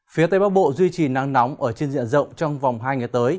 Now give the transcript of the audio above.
phía tây bắc bộ duy trì nắng nóng ở trên diện rộng trong vòng hai ngày tới